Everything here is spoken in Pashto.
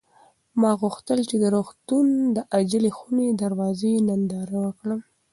ما غوښتل چې د روغتون د عاجلې خونې د دروازې ننداره وکړم.